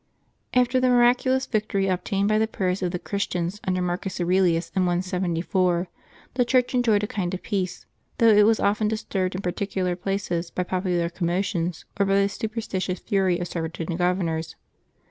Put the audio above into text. aFTER the miraculous victory obtained by the prayers of the Christians under Marcus Aurelius, in 174, the Church enjoyed a kind of peace, though it was often disturbed in particular places by popular commotions, or by the superstitious fury of certain governors.